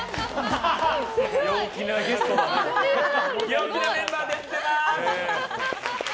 陽気なメンバーでやってます！